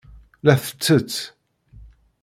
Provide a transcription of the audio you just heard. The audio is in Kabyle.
La tettett.